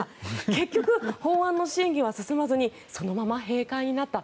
結局、法案の審議は進まずにそのまま閉会になった。